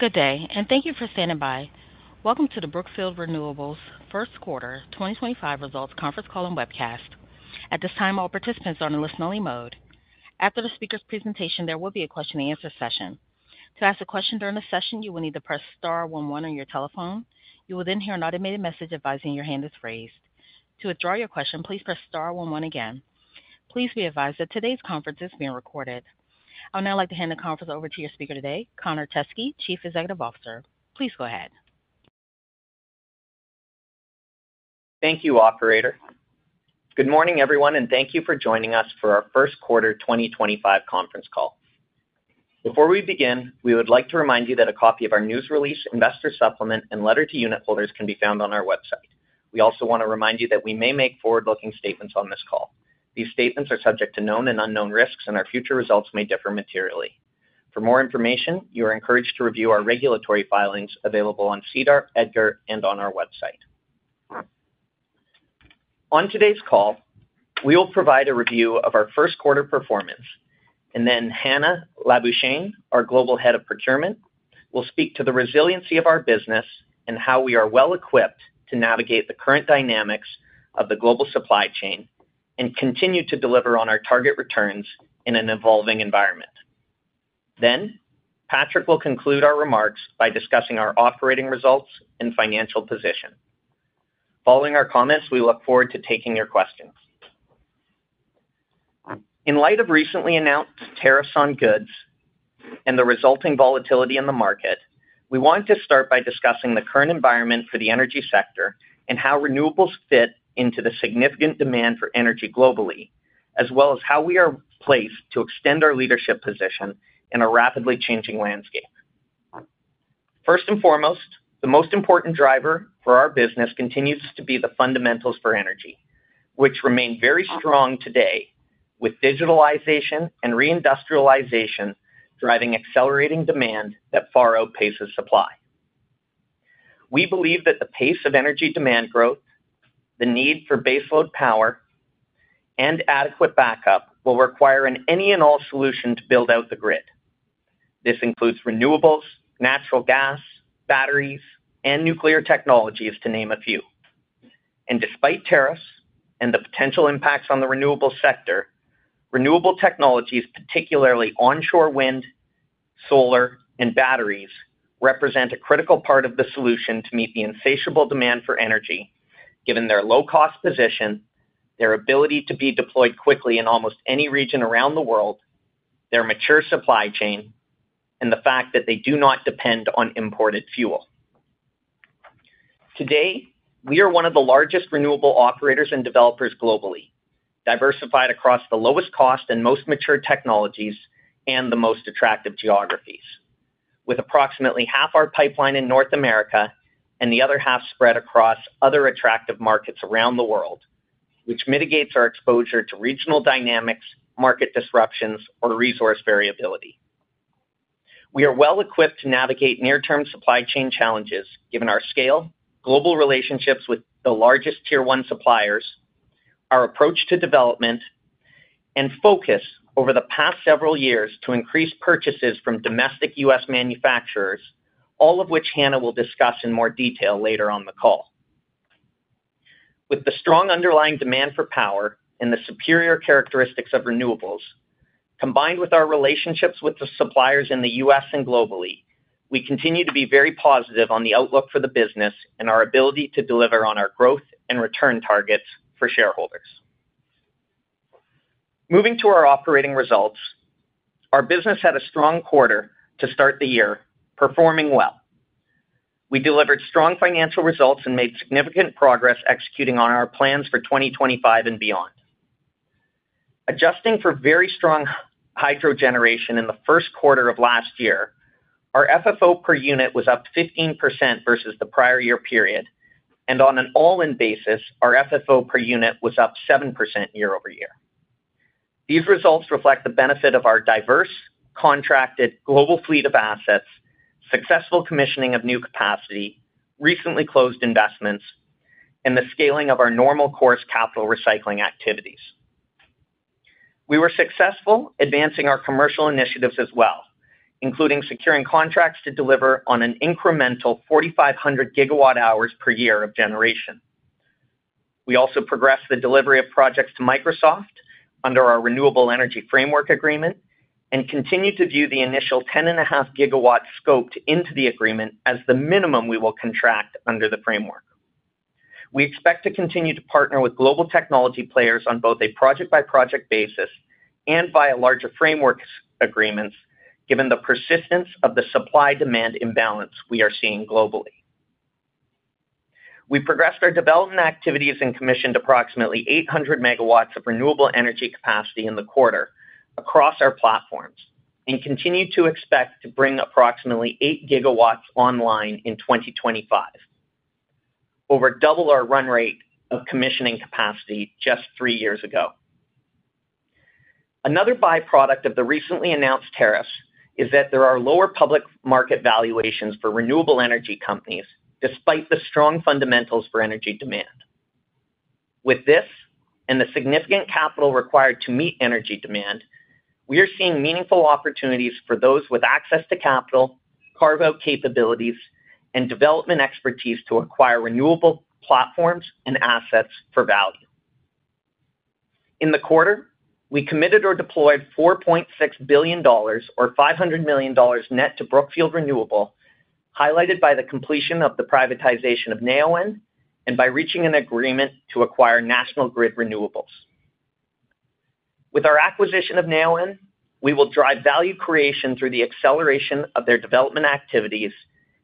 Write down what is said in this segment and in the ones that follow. Good day, and thank you for standing by. Welcome to the Brookfield Renewable's First Quarter 2025 Results Conference Call and Webcast. At this time, all participants are in listen-only mode. After the speaker's presentation, there will be a question-and-answer session. To ask a question during the session, you will need to press star one one on your telephone. You will then hear an automated message advising your hand is raised. To withdraw your question, please press star one one again. Please be advised that today's conference is being recorded. I would now like to hand the conference over to your speaker today, Connor Teskey, Chief Executive Officer. Please go ahead. Thank you, Operator. Good morning, everyone, and thank you for joining us for our First Quarter 2025 Conference Call. Before we begin, we would like to remind you that a copy of our news release, investor supplement, and letter to unit holders can be found on our website. We also want to remind you that we may make forward-looking statements on this call. These statements are subject to known and unknown risks, and our future results may differ materially. For more information, you are encouraged to review our regulatory filings available on SEDAR, EDGAR, and on our website. On today's call, we will provide a review of our first quarter performance, and then Hannah Labuschagne, our Global Head of Procurement, will speak to the resiliency of our business and how we are well-equipped to navigate the current dynamics of the global supply chain and continue to deliver on our target returns in an evolving environment. Patrick will conclude our remarks by discussing our operating results and financial position. Following our comments, we look forward to taking your questions. In light of recently announced tariffs on goods and the resulting volatility in the market, we want to start by discussing the current environment for the energy sector and how renewables fit into the significant demand for energy globally, as well as how we are placed to extend our leadership position in a rapidly changing landscape. First and foremost, the most important driver for our business continues to be the fundamentals for energy, which remain very strong today, with digitalization and reindustrialization driving accelerating demand that far outpaces supply. We believe that the pace of energy demand growth, the need for baseload power, and adequate backup will require an any-and-all solution to build out the grid. This includes Renewables, Natural Gas, Batteries, and Nuclear technologies, to name a few. Despite tariffs and the potential impacts on the renewable sector, renewable technologies, particularly onshore Wind, Solar, and Batteries, represent a critical part of the solution to meet the insatiable demand for energy, given their low-cost position, their ability to be deployed quickly in almost any region around the world, their mature supply chain, and the fact that they do not depend on imported fuel. Today, we are one of the largest renewable operators and developers globally, diversified across the lowest cost and most mature technologies and the most attractive geographies, with approximately half our pipeline in North America and the other half spread across other attractive markets around the world, which mitigates our exposure to regional dynamics, market disruptions, or resource variability. We are well-equipped to navigate near-term supply chain challenges, given our scale, global relationships with the largest tier-one suppliers, our approach to development, and focus over the past several years to increase purchases from domestic U.S. manufacturers, all of which Hannah will discuss in more detail later on the call. With the strong underlying demand for power and the superior characteristics of renewables, combined with our relationships with the suppliers in the U.S. Globally, we continue to be very positive on the outlook for the business and our ability to deliver on our growth and return targets for shareholders. Moving to our operating results, our business had a strong quarter to start the year, performing well. We delivered strong financial results and made significant progress executing on our plans for 2025 and beyond. Adjusting for very strong hydro generation in the first quarter of last year, our FFO per unit was up 15% versus the prior year period, and on an all-in basis, our FFO per unit was up 7% year over year. These results reflect the benefit of our diverse, contracted, global fleet of assets, successful commissioning of new capacity, recently closed investments, and the scaling of our normal course capital recycling activities. We were successful advancing our commercial initiatives as well, including securing contracts to deliver on an incremental 4,500 GWh per year of generation. We also progressed the delivery of projects to Microsoft under our Renewable Energy Framework Agreement and continue to view the initial 10.5 GW scoped into the agreement as the minimum we will contract under the framework. We expect to continue to partner with global technology players on both a project-by-project basis and via larger frameworks agreements, given the persistence of the supply-demand imbalance we are seeing globally. We progressed our development activities and commissioned approximately 800 MW of renewable energy capacity in the quarter across our platforms and continue to expect to bring approximately 8 GW online in 2025, over double our run rate of commissioning capacity just three years ago. Another byproduct of the recently announced tariffs is that there are lower public market valuations for renewable energy companies, despite the strong fundamentals for energy demand. With this and the significant capital required to meet energy demand, we are seeing meaningful opportunities for those with access to capital, carve-out capabilities, and development expertise to acquire renewable platforms and assets for value. In the quarter, we committed or deployed $4.6 billion, or $500 million net, to Brookfield Renewable, highlighted by the completion of the privatization of Neoen and by reaching an agreement to acquire National Grid Renewables. With our acquisition of Neoen, we will drive value creation through the acceleration of their development activities,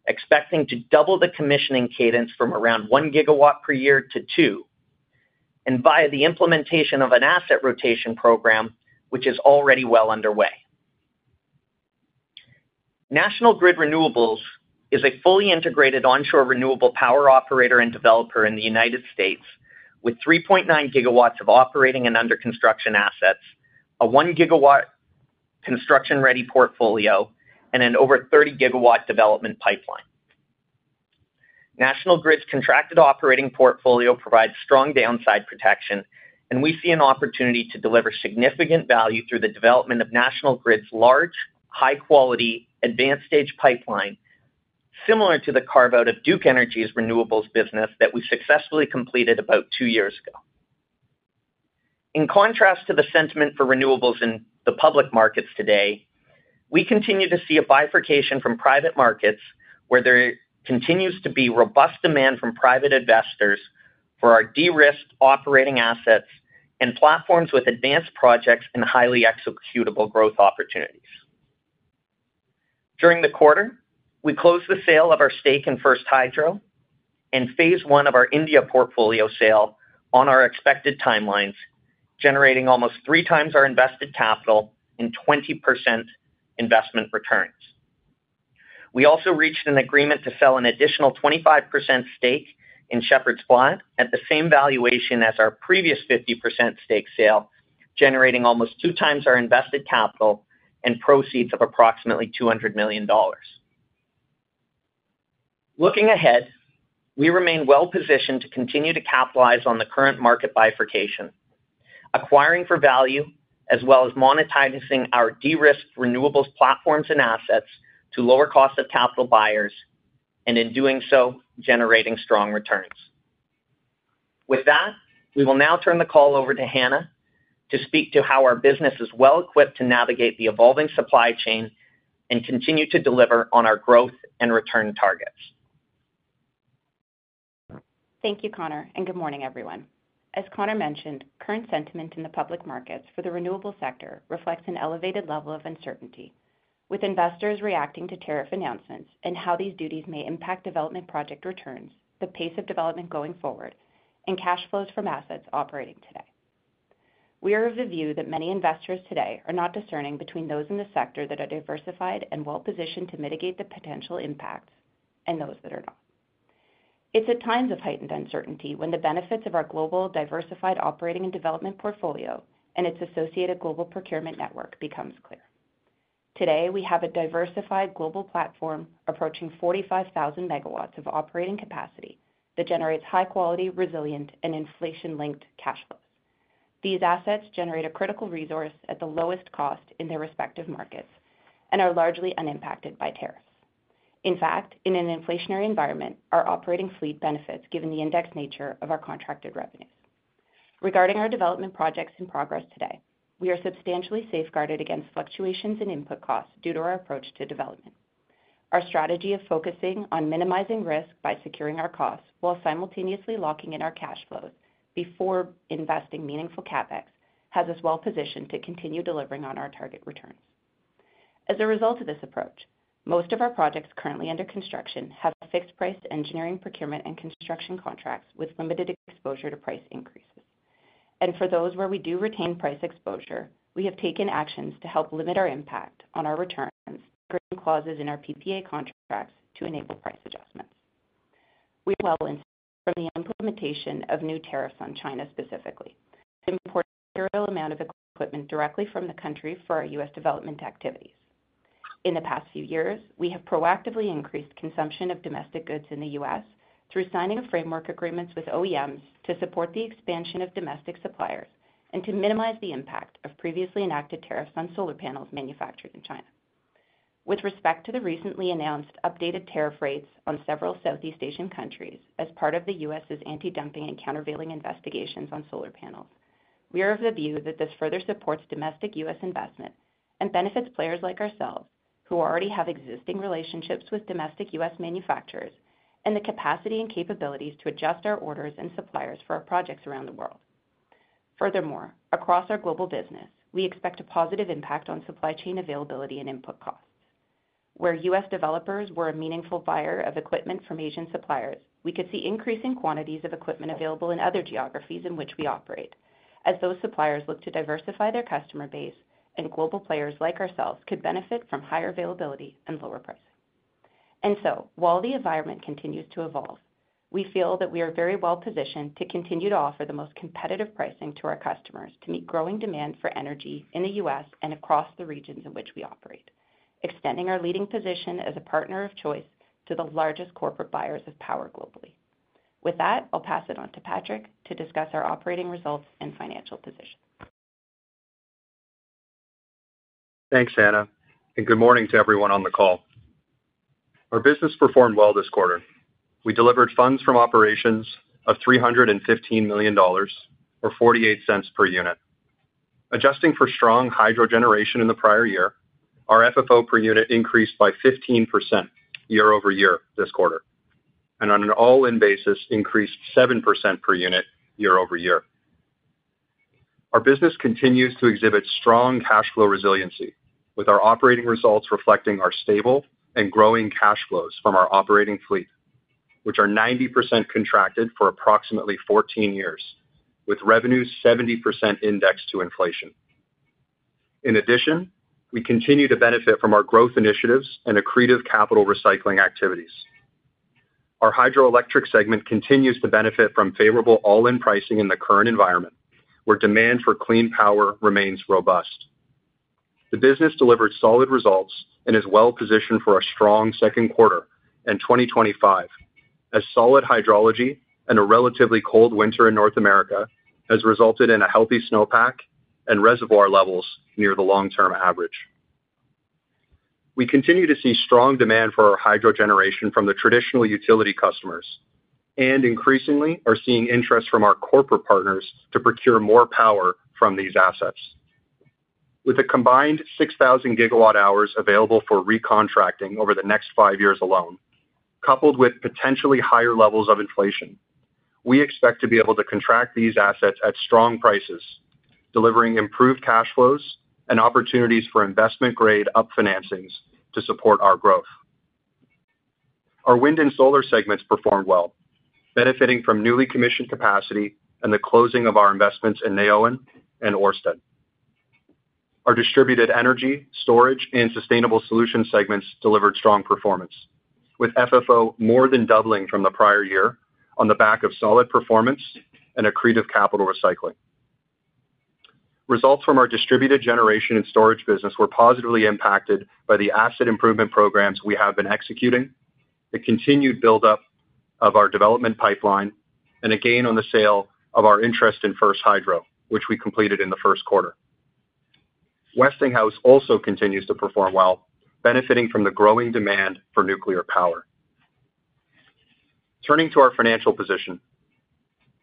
expecting to double the commissioning cadence from around 1 GW per year to 2, and via the implementation of an asset rotation program, which is already well underway. National Grid Renewables is a fully integrated onshore renewable power operator and developer in the United States, with 3.9 GW of operating and under-construction assets, a 1 GW construction-ready portfolio, and an over-30 GW development pipeline. National Grid's contracted operating portfolio provides strong downside protection, and we see an opportunity to deliver significant value through the development of National Grid's large, high-quality, advanced-stage pipeline, similar to the carve-out of Duke Energy's renewables business that we successfully completed about two years ago. In contrast to the sentiment for renewables in the public markets today, we continue to see a bifurcation from private markets, where there continues to be robust demand from private investors for our de-risked operating assets and platforms with advanced projects and highly executable growth opportunities. During the quarter, we closed the sale of our stake in First Hydro and phase one of our India portfolio sale on our expected timelines, generating almost 3x our invested capital and 20% investment returns. We also reached an agreement to sell an additional 25% stake in Shepherds Flat the same valuation as our previous 50% stake sale, generating almost two times our invested capital and proceeds of approximately $200 million. Looking ahead, we remain well-positioned to continue to capitalize on the current market bifurcation, acquiring for value, as well as monetizing our de-risked renewables platforms and assets to lower cost of capital buyers, and in doing so, generating strong returns. With that, we will now turn the call over to Hannah to speak to how our business is well-equipped to navigate the evolving supply chain and continue to deliver on our growth and return targets. Thank you, Connor, and good morning, everyone. As Connor mentioned, current sentiment in the public markets for the renewable sector reflects an elevated level of uncertainty, with investors reacting to tariff announcements and how these duties may impact development project returns, the pace of development going forward, and cash flows from assets operating today. We are of the view that many investors today are not discerning between those in the sector that are diversified and well-positioned to mitigate the potential impacts and those that are not. It is at times of heightened uncertainty when the benefits of our global diversified operating and development portfolio and its associated global procurement network become clear. Today, we have a diversified global platform approaching 45,000 MW of operating capacity that generates high-quality, resilient, and inflation-linked cash flows. These assets generate a critical resource at the lowest cost in their respective markets and are largely unimpacted by tariffs. In fact, in an inflationary environment, our operating fleet benefits, given the indexed nature of our contracted revenues. Regarding our development projects in progress today, we are substantially safeguarded against fluctuations in input costs due to our approach to development. Our strategy of focusing on minimizing risk by securing our costs while simultaneously locking in our cash flows before investing meaningful CapEx has us well-positioned to continue delivering on our target returns. As a result of this approach, most of our projects currently under construction have fixed-priced engineering, procurement, and construction contracts with limited exposure to price increases. For those where we do retain price exposure, we have taken actions to help limit our impact on our returns, including clauses in our PPA contracts to enable price adjustments. We are well-positioned from the implementation of new tariffs on China specifically, importing a serial amount of equipment directly from the country for our U.S. development activities. In the past few years, we have proactively increased consumption of domestic goods in the U.S. through signing framework agreements with OEMs to support the expansion of domestic suppliers and to minimize the impact of previously enacted tariffs on solar panels manufactured in China. With respect to the recently announced updated tariff rates on several Southeast Asian countries as part of the U.S.'s anti-dumping and countervailing investigations on solar panels, we are of the view that this further supports domestic U.S. investment and benefits players like ourselves, who already have existing relationships with domestic U.S. manufacturers and the capacity and capabilities to adjust our orders and suppliers for our projects around the world. Furthermore, across our global business, we expect a positive impact on supply chain availability and input costs. Where U.S. developers were a meaningful buyer of equipment from Asian suppliers, we could see increasing quantities of equipment available in other geographies in which we operate, as those suppliers look to diversify their customer base and global players like ourselves could benefit from higher availability and lower pricing. While the environment continues to evolve, we feel that we are very well-positioned to continue to offer the most competitive pricing to our customers to meet growing demand for energy in the U.S. and across the regions in which we operate, extending our leading position as a partner of choice to the largest corporate buyers of power globally. With that, I'll pass it on to Patrick to discuss our operating results and financial position. Thanks, Hannah. Good morning to everyone on the call. Our business performed well this quarter. We delivered funds from operations of $315 million, or $0.48 per unit. Adjusting for strong hydro generation in the prior year, our FFO per unit increased by 15% year over year this quarter, and on an all-in basis, increased 7% per unit year over year. Our business continues to exhibit strong cash flow resiliency, with our operating results reflecting our stable and growing cash flows from our operating fleet, which are 90% contracted for approximately 14 years, with revenues 70% indexed to inflation. In addition, we continue to benefit from our growth initiatives and accretive capital recycling activities. Our hydroelectric segment continues to benefit from favorable all-in pricing in the current environment, where demand for clean power remains robust. The business delivered solid results and is well-positioned for a strong second quarter in 2025, as solid hydrology and a relatively cold winter in North America has resulted in a healthy snowpack and reservoir levels near the long-term average. We continue to see strong demand for our hydro generation from the traditional utility customers and, increasingly, are seeing interest from our corporate partners to procure more power from these assets. With a combined 6,000 GWh available for recontracting over the next five years alone, coupled with potentially higher levels of inflation, we expect to be able to contract these assets at strong prices, delivering improved cash flows and opportunities for investment-grade up-financings to support our growth. Our wind and solar segments performed well, benefiting from newly commissioned capacity and the closing of our investments in Neoen and Ørsted. Our distributed energy, storage, and sustainable solution segments delivered strong performance, with FFO more than doubling from the prior year on the back of solid performance and accretive capital recycling. Results from our distributed generation and storage business were positively impacted by the asset improvement programs we have been executing, the continued build-up of our development pipeline, and a gain on the sale of our interest in First Hydro, which we completed in the first quarter. Westinghouse also continues to perform well, benefiting from the growing demand for nuclear power. Turning to our financial position,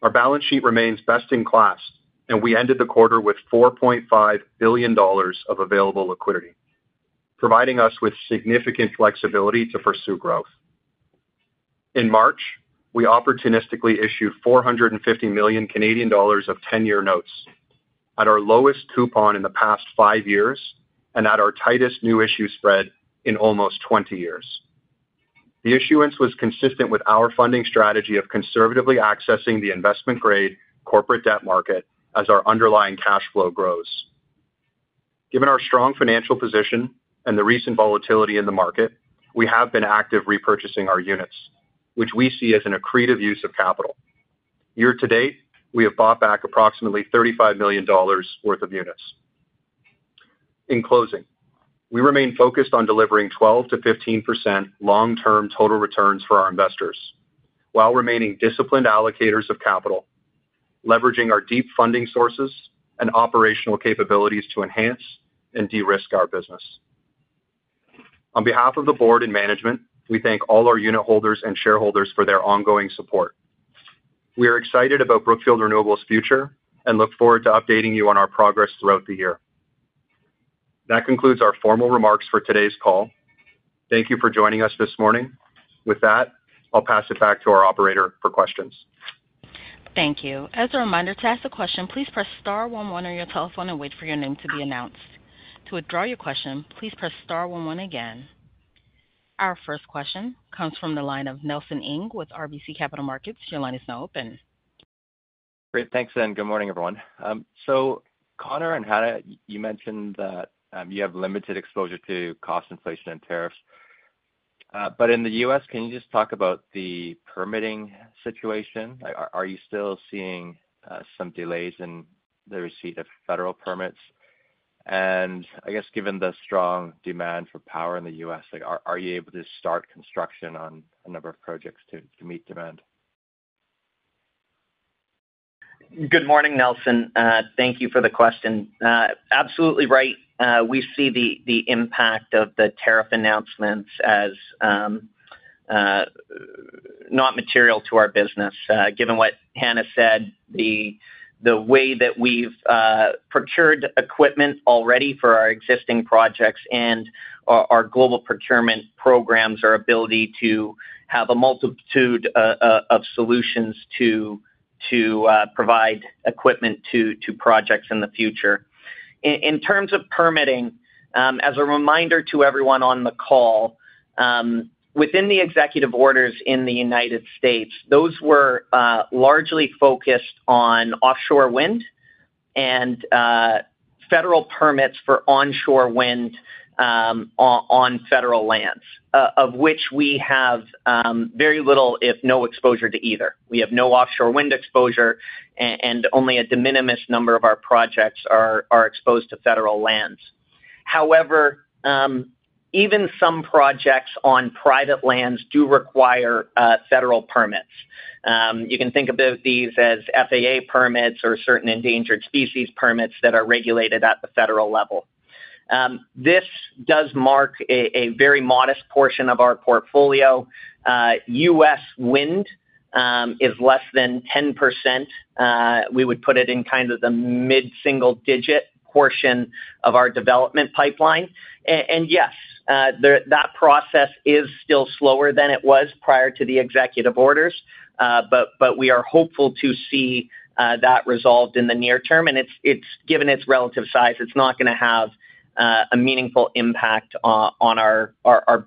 our balance sheet remains best in class, and we ended the quarter with $4.5 billion of available liquidity, providing us with significant flexibility to pursue growth. In March, we opportunistically issued 450 million Canadian dollars of 10-year notes at our lowest coupon in the past five years and at our tightest new issue spread in almost 20 years. The issuance was consistent with our funding strategy of conservatively accessing the investment-grade corporate debt market as our underlying cash flow grows. Given our strong financial position and the recent volatility in the market, we have been active repurchasing our units, which we see as an accretive use of capital. Year to date, we have bought back approximately $35 million worth of units. In closing, we remain focused on delivering 12%-15% long-term total returns for our investors while remaining disciplined allocators of capital, leveraging our deep funding sources and operational capabilities to enhance and de-risk our business. On behalf of the board and management, we thank all our unit holders and shareholders for their ongoing support. We are excited about Brookfield Renewable's future and look forward to updating you on our progress throughout the year. That concludes our formal remarks for today's call. Thank you for joining us this morning. With that, I'll pass it back to our operator for questions. Thank you. As a reminder to ask a question, please press star one one on your telephone and wait for your name to be announced. To withdraw your question, please press star one one again. Our first question comes from the line of Nelson Ng with RBC Capital Markets. Your line is now open. Great. Thanks, and good morning, everyone. Connor and Hannah, you mentioned that you have limited exposure to cost inflation and tariffs. In the U.S., can you just talk about the permitting situation? Are you still seeing some delays in the receipt of federal permits? I guess, given the strong demand for power in the U.S., are you able to start construction on a number of projects to meet demand? Good morning, Nelson. Thank you for the question. Absolutely right. We see the impact of the tariff announcements as not material to our business. Given what Hannah said, the way that we've procured equipment already for our existing projects and our global procurement programs, our ability to have a multitude of solutions to provide equipment to projects in the future. In terms of permitting, as a reminder to everyone on the call, within the executive orders in the United States, those were largely focused on offshore wind and federal permits for onshore wind on federal lands, of which we have very little, if no exposure to either. We have no offshore wind exposure, and only a de minimis number of our projects are exposed to federal lands. However, even some projects on private lands do require federal permits. You can think of these as FAA permits or certain endangered species permits that are regulated at the federal level. This does mark a very modest portion of our portfolio. U.S. wind is less than 10%. We would put it in kind of the mid-single-digit portion of our development pipeline. Yes, that process is still slower than it was prior to the executive orders, but we are hopeful to see that resolved in the near term. Given its relative size, it is not going to have a meaningful impact on our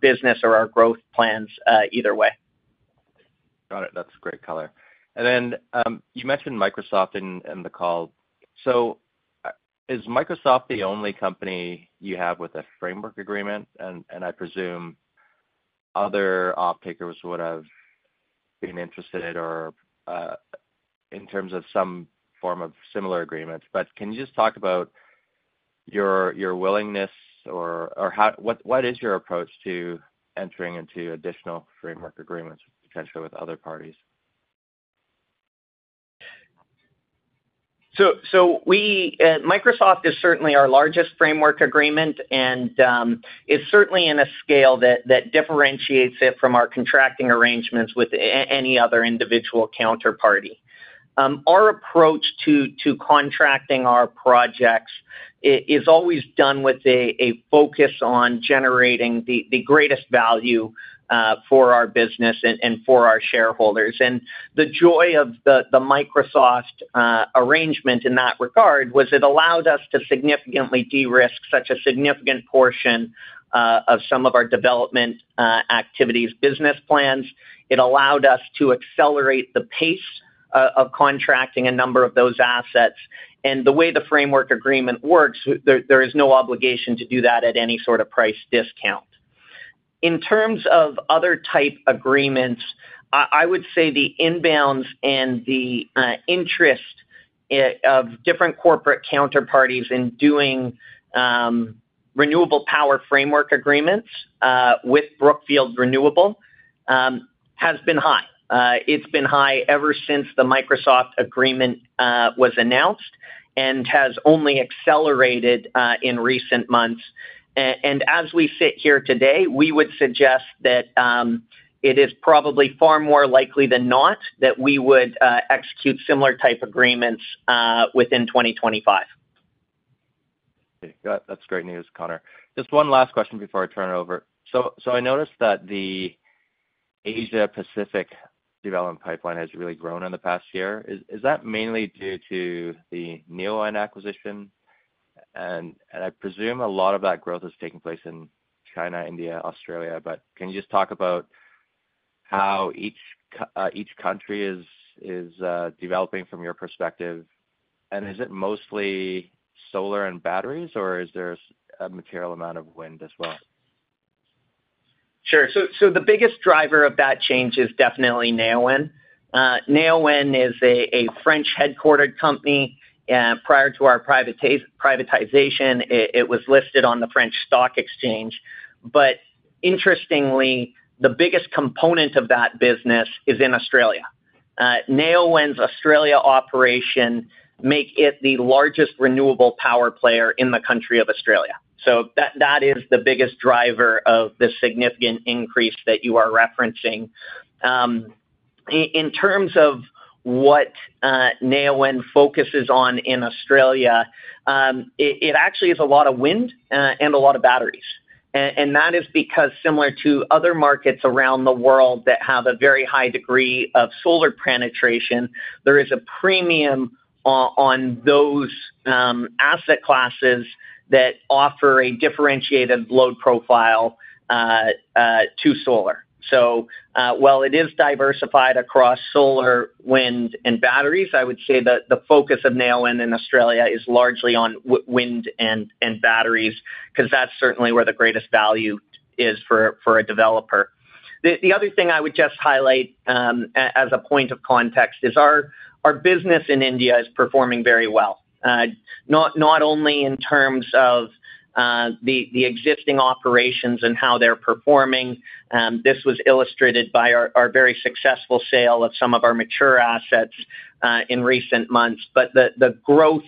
business or our growth plans either way. Got it. That is great, Connor. You mentioned Microsoft in the call. Is Microsoft the only company you have with a framework agreement? I presume other off-takers would have been interested in terms of some form of similar agreements. Can you just talk about your willingness, or what is your approach to entering into additional framework agreements, potentially with other parties? Microsoft is certainly our largest framework agreement, and it is certainly in a scale that differentiates it from our contracting arrangements with any other individual counterparty. Our approach to contracting our projects is always done with a focus on generating the greatest value for our business and for our shareholders. The joy of the Microsoft arrangement in that regard was it allowed us to significantly de-risk such a significant portion of some of our development activities, business plans. It allowed us to accelerate the pace of contracting a number of those assets. The way the framework agreement works, there is no obligation to do that at any sort of price discount. In terms of other type agreements, I would say the inbounds and the interest of different corporate counterparties in doing renewable power framework agreements with Brookfield Renewable has been high. It has been high ever since the Microsoft agreement was announced and has only accelerated in recent months. As we sit here today, we would suggest that it is probably far more likely than not that we would execute similar type agreements within 2025. That's great news, Connor. Just one last question before I turn it over. I noticed that the Asia-Pacific development pipeline has really grown in the past year. Is that mainly due to the Neoen acquisition? I presume a lot of that growth is taking place in China, India, Australia. Can you just talk about how each country is developing from your perspective? Is it mostly solar and batteries, or is there a material amount of wind as well? Sure. The biggest driver of that change is definitely Neoen. Neoen is a French-headquartered company. Prior to our privatization, it was listed on the French stock exchange. Interestingly, the biggest component of that business is in Australia. Neoen's Australia operation makes it the largest renewable power player in the country of Australia. That is the biggest driver of the significant increase that you are referencing. In terms of what Neoen focuses on in Australia, it actually is a lot of wind and a lot of batteries. That is because, similar to other markets around the world that have a very high degree of solar penetration, there is a premium on those asset classes that offer a differentiated load profile to solar. While it is diversified across solar, wind, and batteries, I would say that the focus of Neoen in Australia is largely on wind and batteries because that's certainly where the greatest value is for a developer. The other thing I would just highlight as a point of context is our business in India is performing very well, not only in terms of the existing operations and how they're performing. This was illustrated by our very successful sale of some of our mature assets in recent months. The growth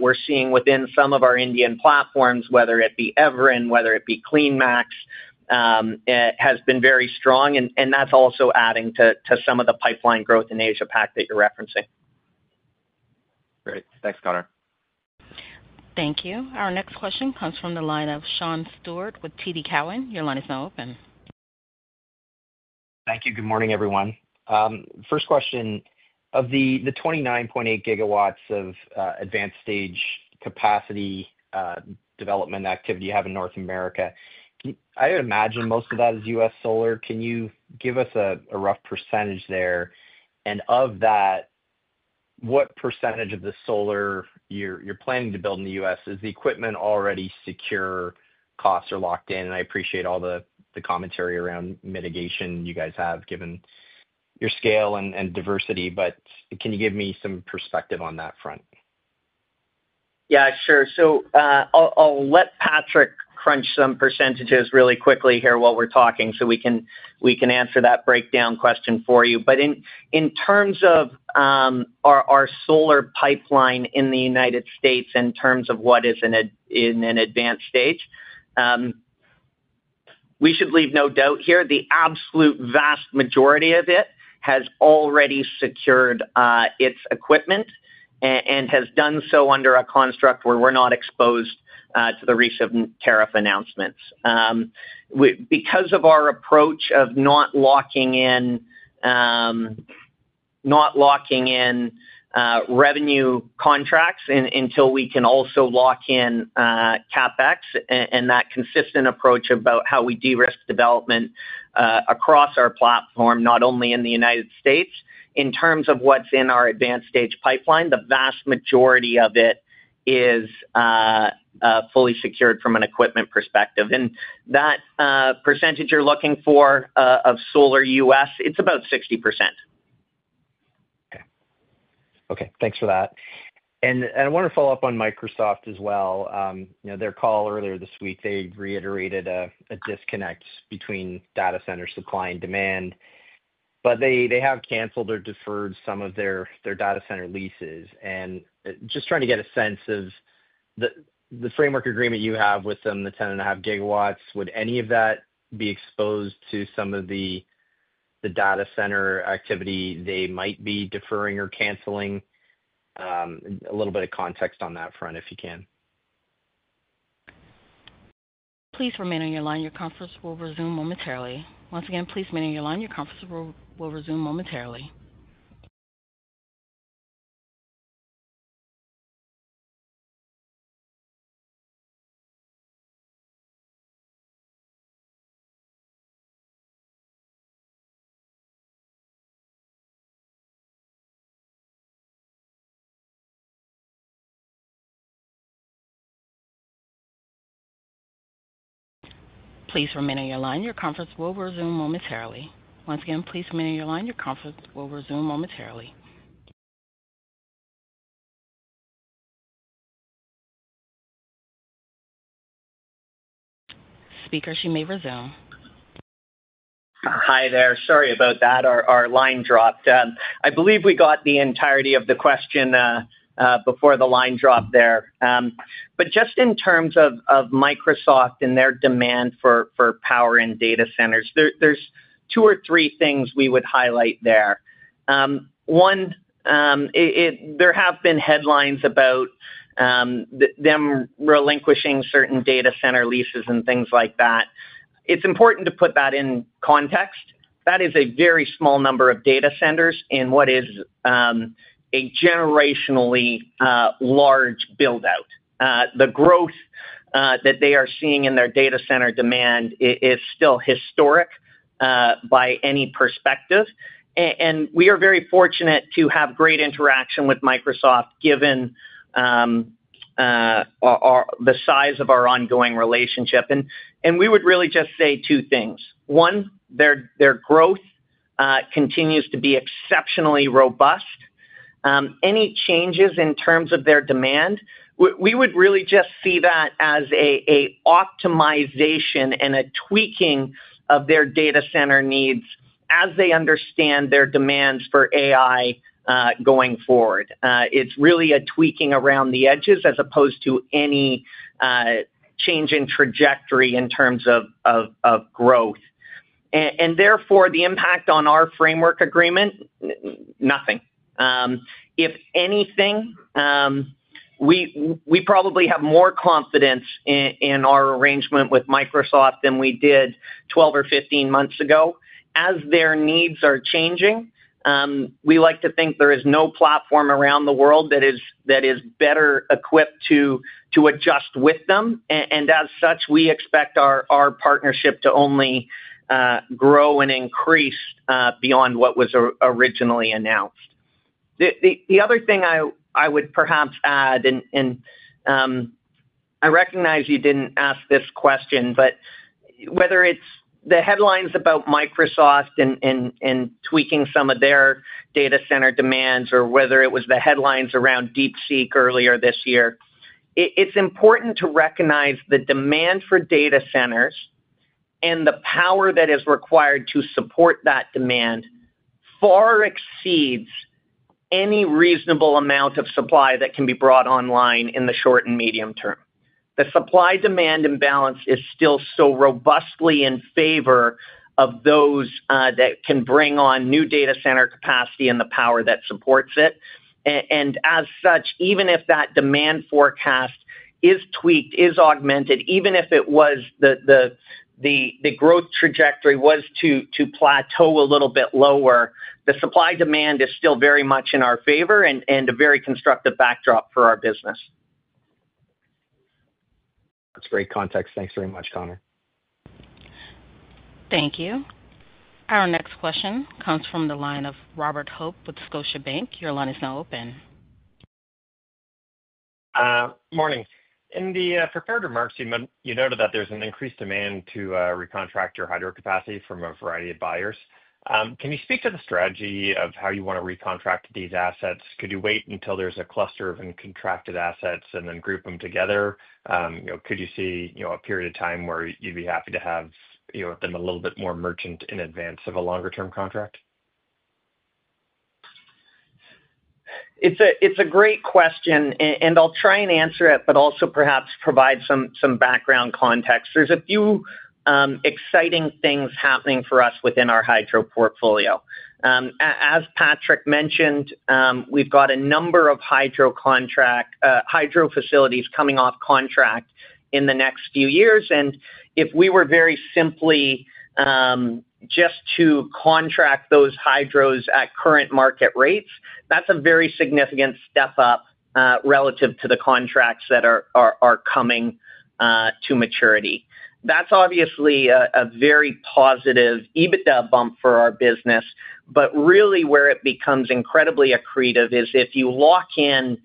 we're seeing within some of our Indian platforms, whether it be Evern, whether it be CleanMax, has been very strong. That is also adding to some of the pipeline growth in Asia-Pac that you're referencing. Great. Thanks, Connor. Thank you. Our next question comes from the line of Sean Steuart with TD Cowen. Your line is now open. Thank you. Good morning, everyone. First question. Of the 29.8 GW of advanced-stage capacity development activity you have in North America, I would imagine most of that is U.S. solar. Can you give us a rough percentage there? Of that, what percentage of the solar you are planning to build in the U.S.? Is the equipment already secure? Costs are locked in? I appreciate all the commentary around mitigation you guys have, given your scale and diversity. Can you give me some perspective on that front? Yeah, sure. I'll let Patrick crunch some percentages really quickly here while we're talking so we can answer that breakdown question for you. In terms of our solar pipeline in the United States, in terms of what is in an advanced stage, we should leave no doubt here. The absolute vast majority of it has already secured its equipment and has done so under a construct where we're not exposed to the recent tariff announcements. Because of our approach of not locking in revenue contracts until we can also lock in CapEx and that consistent approach about how we de-risk development across our platform, not only in the United States, in terms of what's in our advanced-stage pipeline, the vast majority of it is fully secured from an equipment perspective. That percentage you're looking for of solar U.S., it's about 60%. Okay. Okay. Thanks for that. I want to follow up on Microsoft as well. Their call earlier this week, they reiterated a disconnect between data center supply and demand. They have canceled or deferred some of their data center leases. I am just trying to get a sense of the framework agreement you have with them, the 10.5 GW, would any of that be exposed to some of the data center activity they might be deferring or canceling? A little bit of context on that front, if you can. Please remain on your line. Your conference will resume momentarily. Once again, please remain on your line. Your conference will resume momentarily. Please remain on your line. Your conference will resume momentarily. Once again, please remain on your line. Your conference will resume momentarily. Speakers, you may resume. Hi there. Sorry about that. Our line dropped. I believe we got the entirety of the question before the line dropped there. Just in terms of Microsoft and their demand for power in data centers, there are two or three things we would highlight there. One, there have been headlines about them relinquishing certain data center leases and things like that. It is important to put that in context. That is a very small number of data centers in what is a generationally large buildout. The growth that they are seeing in their data center demand is still historic by any perspective. We are very fortunate to have great interaction with Microsoft, given the size of our ongoing relationship. We would really just say two things. One, their growth continues to be exceptionally robust. Any changes in terms of their demand, we would really just see that as an optimization and a tweaking of their data center needs as they understand their demands for AI going forward. It is really a tweaking around the edges as opposed to any change in trajectory in terms of growth. Therefore, the impact on our framework agreement, nothing. If anything, we probably have more confidence in our arrangement with Microsoft than we did 12 or 15 months ago. As their needs are changing, we like to think there is no platform around the world that is better equipped to adjust with them. As such, we expect our partnership to only grow and increase beyond what was originally announced. The other thing I would perhaps add, and I recognize you did not ask this question, but whether it is the headlines about Microsoft and tweaking some of their data center demands, or whether it was the headlines around DeepSeek earlier this year, it is important to recognize the demand for data centers and the power that is required to support that demand far exceeds any reasonable amount of supply that can be brought online in the short and medium term. The supply-demand imbalance is still so robustly in favor of those that can bring on new data center capacity and the power that supports it. As such, even if that demand forecast is tweaked, is augmented, even if the growth trajectory was to plateau a little bit lower, the supply-demand is still very much in our favor and a very constructive backdrop for our business. That's great context. Thanks very much, Connor. Thank you. Our next question comes from the line of Robert Hope with Scotiabank. Your line is now open. Good morning. In the prepared remarks, you noted that there's an increased demand to recontract your hydro capacity from a variety of buyers. Can you speak to the strategy of how you want to recontract these assets? Could you wait until there's a cluster of uncontracted assets and then group them together? Could you see a period of time where you'd be happy to have them a little bit more merchant in advance of a longer-term contract? It's a great question, and I'll try and answer it, but also perhaps provide some background context. There are a few exciting things happening for us within our hydro portfolio. As Patrick mentioned, we've got a number of hydro facilities coming off contract in the next few years. If we were very simply just to contract those hydros at current market rates, that's a very significant step up relative to the contracts that are coming to maturity. That is obviously a very positive EBITDA bump for our business. Really, where it becomes incredibly accretive is if you lock in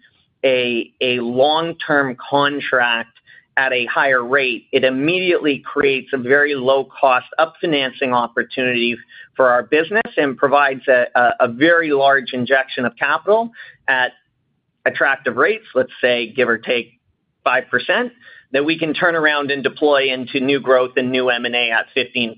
a long-term contract at a higher rate, it immediately creates a very low-cost upfinancing opportunity for our business and provides a very large injection of capital at attractive rates, let's say, give or take 5%, that we can turn around and deploy into new growth and new M&A at 15%.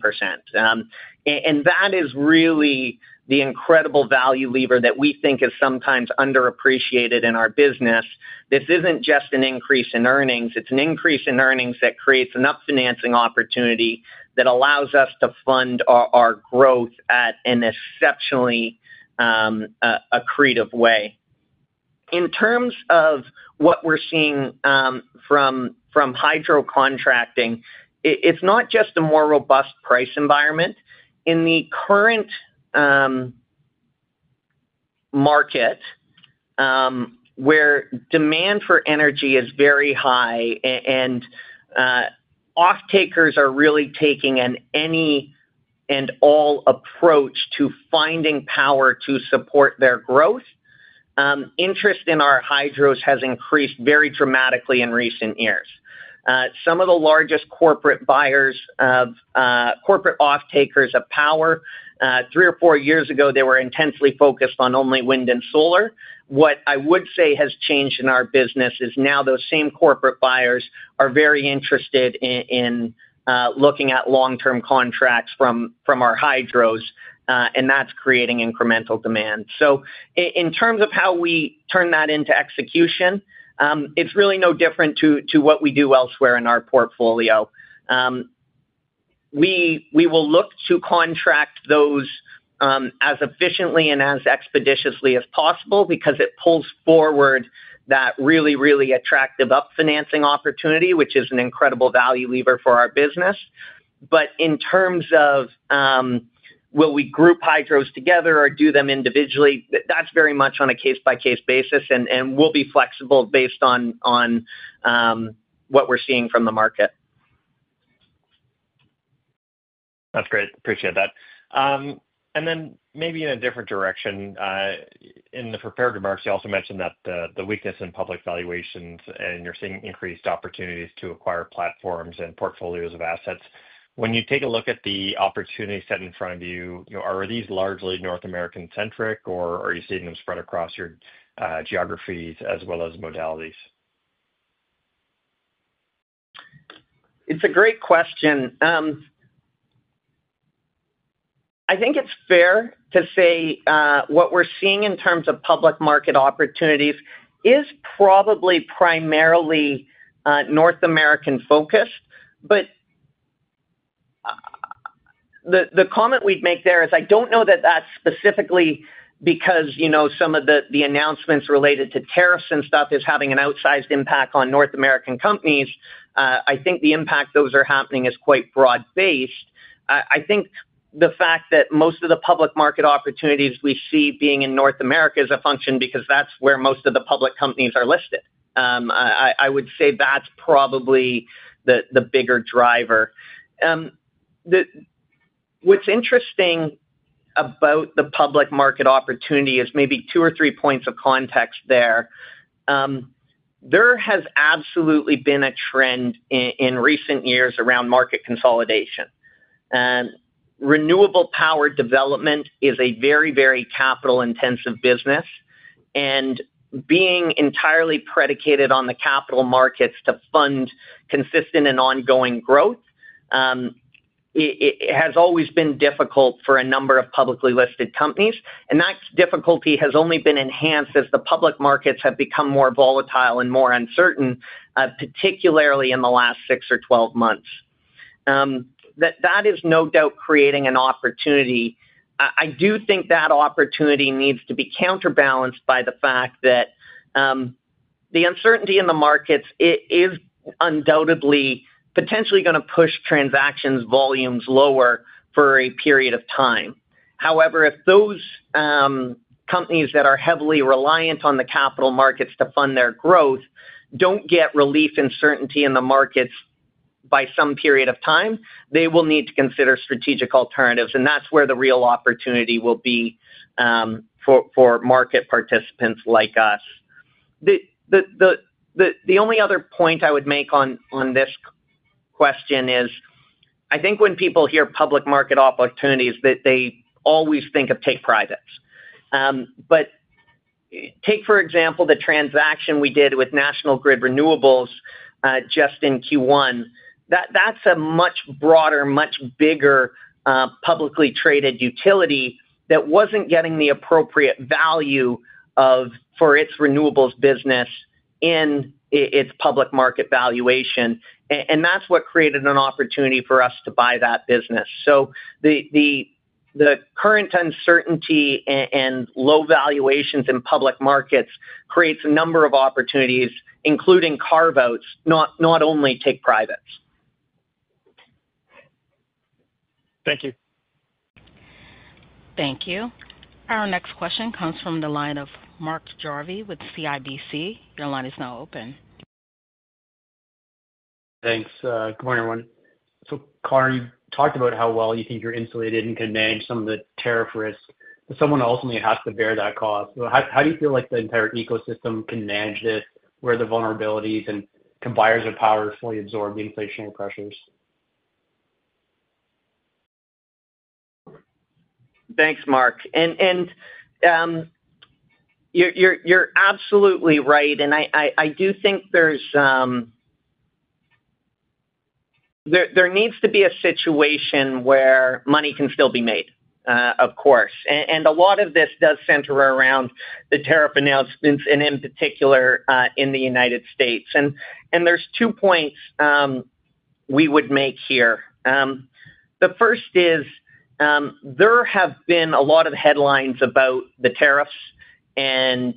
That is really the incredible value lever that we think is sometimes underappreciated in our business. This isn't just an increase in earnings. It's an increase in earnings that creates an upfinancing opportunity that allows us to fund our growth in an exceptionally accretive way. In terms of what we're seeing from hydro contracting, it's not just a more robust price environment. In the current market, where demand for energy is very high and off-takers are really taking an any and all approach to finding power to support their growth, interest in our hydros has increased very dramatically in recent years. Some of the largest corporate off-takers of power, three or four years ago, they were intensely focused on only wind and solar. What I would say has changed in our business is now those same corporate buyers are very interested in looking at long-term contracts from our hydros, and that is creating incremental demand. In terms of how we turn that into execution, it is really no different to what we do elsewhere in our portfolio. We will look to contract those as efficiently and as expeditiously as possible because it pulls forward that really, really attractive upfinancing opportunity, which is an incredible value lever for our business. In terms of will we group hydros together or do them individually, that is very much on a case-by-case basis, and we will be flexible based on what we are seeing from the market. That's great. Appreciate that. Maybe in a different direction, in the prepared remarks, you also mentioned the weakness in public valuations and you're seeing increased opportunities to acquire platforms and portfolios of assets. When you take a look at the opportunity set in front of you, are these largely North American-centric, or are you seeing them spread across your geographies as well as modalities? It's a great question. I think it's fair to say what we're seeing in terms of public market opportunities is probably primarily North American-focused. The comment we'd make there is I don't know that that's specifically because some of the announcements related to tariffs and stuff is having an outsized impact on North American companies. I think the impact those are having is quite broad-based. I think the fact that most of the public market opportunities we see being in North America is a function because that's where most of the public companies are listed. I would say that's probably the bigger driver. What's interesting about the public market opportunity is maybe two or three points of context there. There has absolutely been a trend in recent years around market consolidation. Renewable power development is a very, very capital-intensive business. Being entirely predicated on the capital markets to fund consistent and ongoing growth has always been difficult for a number of publicly listed companies. That difficulty has only been enhanced as the public markets have become more volatile and more uncertain, particularly in the last 6 or 12 months. That is no doubt creating an opportunity. I do think that opportunity needs to be counterbalanced by the fact that the uncertainty in the markets is undoubtedly potentially going to push transaction volumes lower for a period of time. However, if those companies that are heavily reliant on the capital markets to fund their growth do not get relief and certainty in the markets by some period of time, they will need to consider strategic alternatives. That is where the real opportunity will be for market participants like us. The only other point I would make on this question is I think when people hear public market opportunities, they always think of take privates. Take, for example, the transaction we did with National Grid Renewables just in Q1. That is a much broader, much bigger publicly traded utility that was not getting the appropriate value for its renewables business in its public market valuation. That is what created an opportunity for us to buy that business. The current uncertainty and low valuations in public markets creates a number of opportunities, including carve-outs, not only take privates. Thank you. Thank you. Our next question comes from the line of Mark Jarvi with CIBC. Your line is now open. Thanks. Good morning, everyone. Connor, you talked about how well you think you're insulated and can manage some of the tariff risk. But someone ultimately has to bear that cost. How do you feel like the entire ecosystem can manage this? Where are the vulnerabilities? Can buyers or power fully absorb the inflationary pressures? Thanks, Mark. You're absolutely right. I do think there needs to be a situation where money can still be made, of course. A lot of this does center around the tariff announcements, in particular in the United States. There are two points we would make here. The first is there have been a lot of headlines about the tariffs, and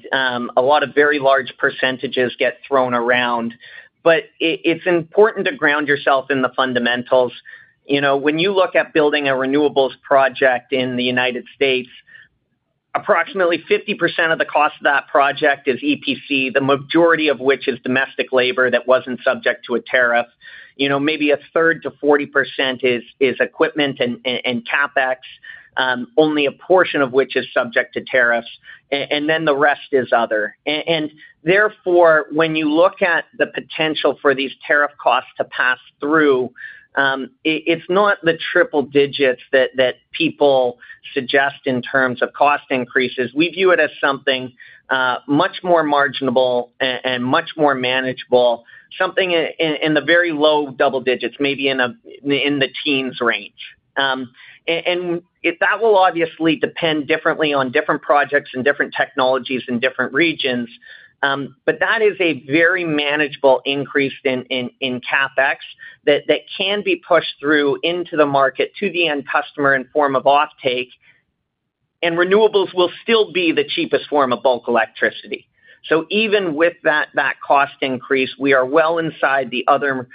a lot of very large percentages get thrown around. It's important to ground yourself in the fundamentals. When you look at building a renewables project in the United States, approximately 50% of the cost of that project is EPC, the majority of which is domestic labor that wasn't subject to a tariff. Maybe 1/3 to 40% is equipment and CapEx, only a portion of which is subject to tariffs. The rest is other. Therefore, when you look at the potential for these tariff costs to pass through, it is not the triple digits that people suggest in terms of cost increases. We view it as something much more marginal and much more manageable, something in the very low double digits, maybe in the teens range. That will obviously depend differently on different projects and different technologies in different regions. That is a very manageable increase in CapEx that can be pushed through into the market to the end customer in form of offtake. Renewables will still be the cheapest form of bulk electricity. Even with that cost increase, we are well inside the other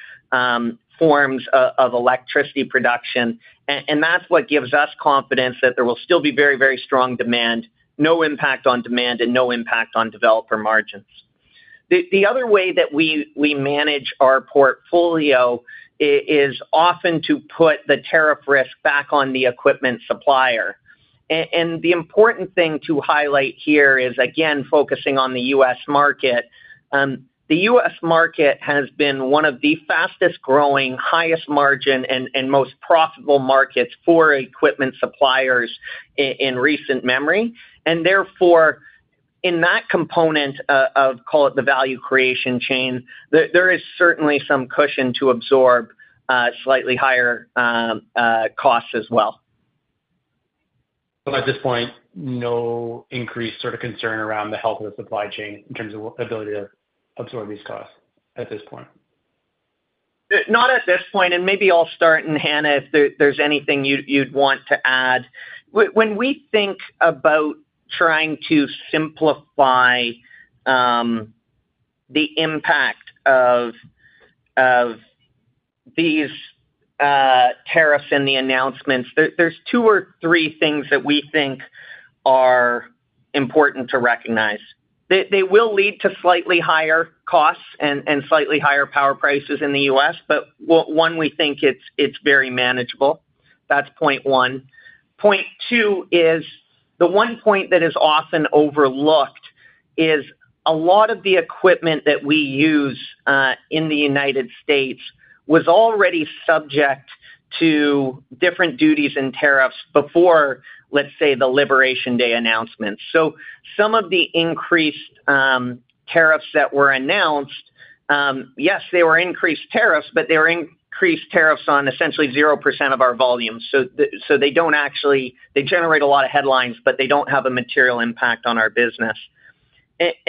forms of electricity production. That is what gives us confidence that there will still be very, very strong demand, no impact on demand, and no impact on developer margins. The other way that we manage our portfolio is often to put the tariff risk back on the equipment supplier. The important thing to highlight here is, again, focusing on the U.S. market. The U.S. market has been one of the fastest growing, highest margin, and most profitable markets for equipment suppliers in recent memory. Therefore, in that component of, call it the value creation chain, there is certainly some cushion to absorb slightly higher costs as well. At this point, no increased sort of concern around the health of the supply chain in terms of ability to absorb these costs at this point? Not at this point. Maybe I'll start, and Hannah, if there's anything you'd want to add. When we think about trying to simplify the impact of these tariffs and the announcements, there are two or three things that we think are important to recognize. They will lead to slightly higher costs and slightly higher power prices in the U.S., but one, we think it's very manageable. That's point one. Point two is the one point that is often overlooked is a lot of the equipment that we use in the United States. was already subject to different duties and tariffs before, let's say, the Liberation Day announcements. Some of the increased tariffs that were announced, yes, they were increased tariffs, but they were increased tariffs on essentially 0% of our volume. They do not actually generate a lot of headlines, but they do not have a material impact on our business.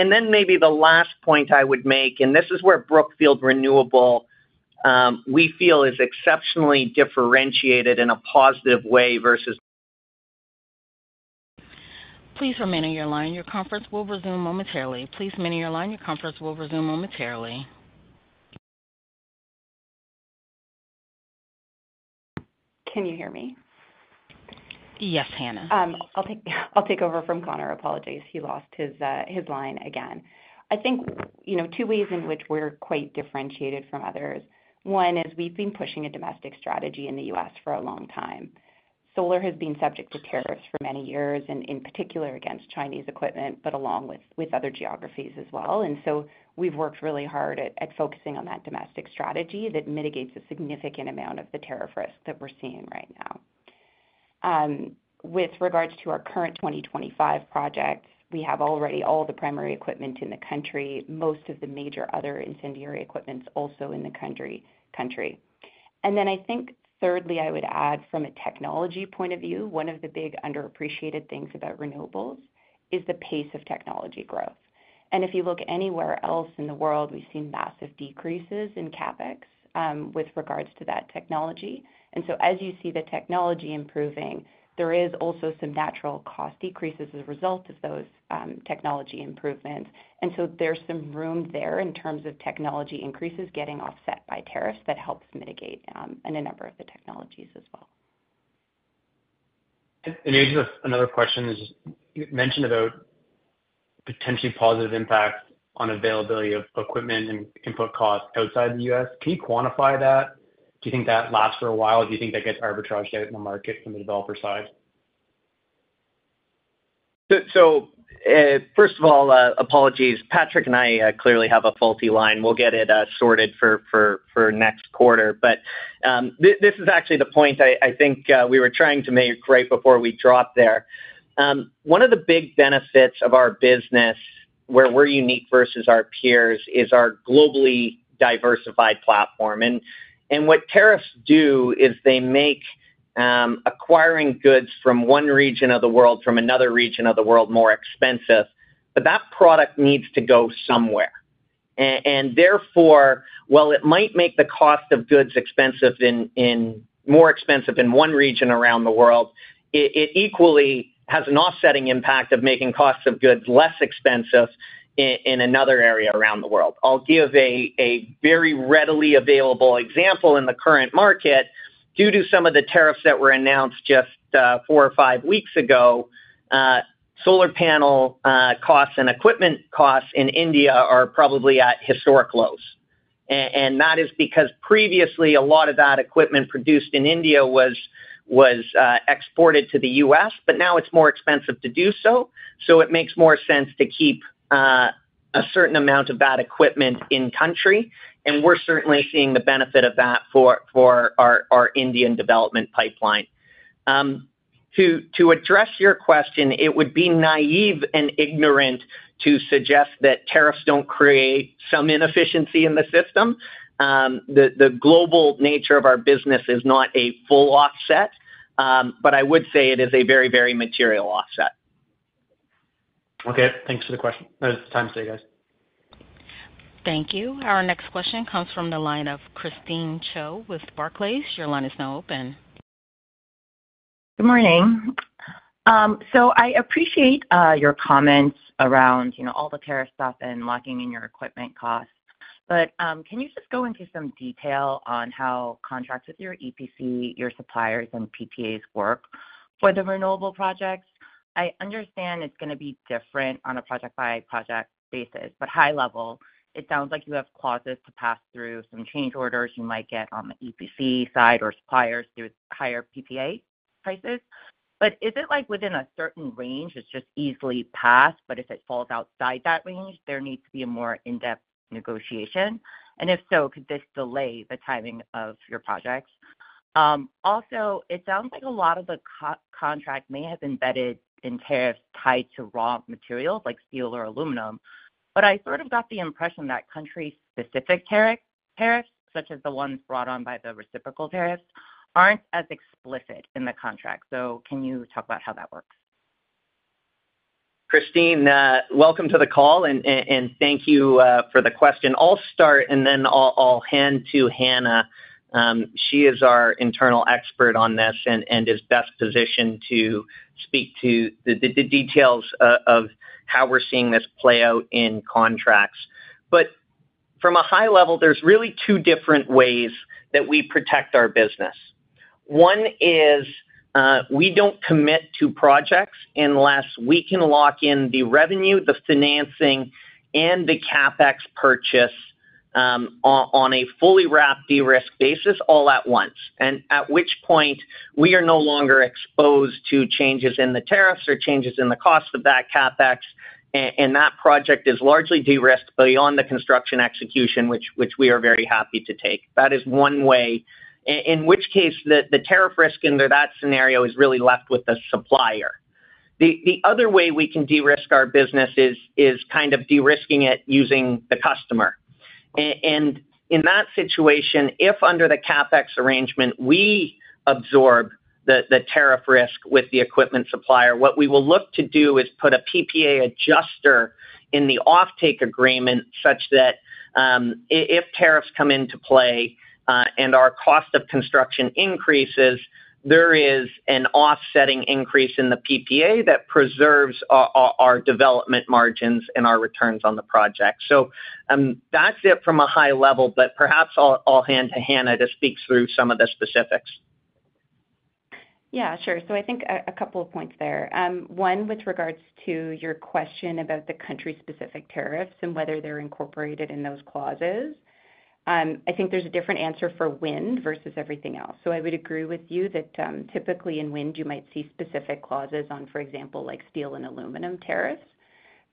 Maybe the last point I would make, and this is where Brookfield Renewable, we feel, is exceptionally differentiated in a positive way versus. Please remain on your line. Your conference will resume momentarily. Please remain on your line. Your conference will resume momentarily. Can you hear me? Yes, Hannah. I'll take over from Connor. Apologies. He lost his line again. I think two ways in which we're quite differentiated from others. One is we've been pushing a domestic strategy in the U.S. for a long time. Solar has been subject to tariffs for many years, in particular against Chinese equipment, along with other geographies as well. We have worked really hard at focusing on that domestic strategy that mitigates a significant amount of the tariff risk that we're seeing right now. With regards to our current 2025 project, we have already all the primary equipment in the country, most of the major other ancillary equipment also in the country. I think thirdly, I would add from a technology point of view, one of the big underappreciated things about renewables is the pace of technology growth. If you look anywhere else in the world, we've seen massive decreases in CapEx with regards to that technology. As you see the technology improving, there is also some natural cost decreases as a result of those technology improvements. There is some room there in terms of technology increases getting offset by tariffs that helps mitigate in a number of the technologies as well. Here's another question. You mentioned about potentially positive impact on availability of equipment and input costs outside the U.S. Can you quantify that? Do you think that lasts for a while? Do you think that gets arbitraged out in the market from the developer side? First of all, apologies. Patrick and I clearly have a faulty line. We'll get it sorted for next quarter. This is actually the point I think we were trying to make right before we dropped there. One of the big benefits of our business, where we're unique versus our peers, is our globally diversified platform. What tariffs do is they make acquiring goods from one region of the world, from another region of the world, more expensive. That product needs to go somewhere. Therefore, while it might make the cost of goods more expensive in one region around the world, it equally has an offsetting impact of making costs of goods less expensive in another area around the world. I'll give a very readily available example in the current market. Due to some of the tariffs that were announced just four or five weeks ago, solar panel costs and equipment costs in India are probably at historic lows. That is because previously, a lot of that equipment produced in India was exported to the U.S., but now it's more expensive to do so. It makes more sense to keep a certain amount of that equipment in-country. We're certainly seeing the benefit of that for our Indian development pipeline. To address your question, it would be naive and ignorant to suggest that tariffs don't create some inefficiency in the system. The global nature of our business is not a full offset, but I would say it is a very, very material offset. Okay. Thanks for the question. That was the time today, guys. Thank you. Our next question comes from the line of Christine Cho with Barclays. Your line is now open. Good morning. I appreciate your comments around all the tariff stuff and locking in your equipment costs. Can you just go into some detail on how contracts with your EPC, your suppliers, and PPAs work for the renewable projects? I understand it's going to be different on a project-by-project basis. At a high level, it sounds like you have clauses to pass through some change orders you might get on the EPC side or suppliers to higher PPA prices. Is it within a certain range? It's just easily passed, but if it falls outside that range, there needs to be a more in-depth negotiation. If so, could this delay the timing of your projects? Also, it sounds like a lot of the contract may have embedded in tariffs tied to raw materials like steel or aluminum. I sort of got the impression that country-specific tariffs, such as the ones brought on by the reciprocal tariffs, aren't as explicit in the contract. Can you talk about how that works? Christine, welcome to the call, and thank you for the question. I'll start, and then I'll hand to Hannah. She is our internal expert on this and is best positioned to speak to the details of how we're seeing this play out in contracts. From a high level, there's really two different ways that we protect our business. One is we don't commit to projects unless we can lock in the revenue, the financing, and the CapEx purchase on a fully wrapped de-risk basis all at once, at which point we are no longer exposed to changes in the tariffs or changes in the cost of that CapEx. That project is largely de-risked beyond the construction execution, which we are very happy to take. That is one way, in which case the tariff risk under that scenario is really left with the supplier. The other way we can de-risk our business is kind of de-risking it using the customer. In that situation, if under the CapEx arrangement, we absorb the tariff risk with the equipment supplier, what we will look to do is put a PPA adjuster in the offtake agreement such that if tariffs come into play and our cost of construction increases, there is an offsetting increase in the PPA that preserves our development margins and our returns on the project. That is it from a high level. Perhaps I'll hand to Hannah to speak through some of the specifics. Yeah, sure. I think a couple of points there. One, with regards to your question about the country-specific tariffs and whether they're incorporated in those clauses, I think there's a different answer for wind versus everything else. I would agree with you that typically in wind, you might see specific clauses on, for example, steel and aluminum tariffs.